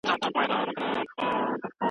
ایا فشار پر خوب اغېزه کوي؟